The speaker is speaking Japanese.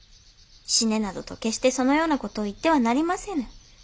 死ねなどと決してそのような事を言ってはなりませぬ。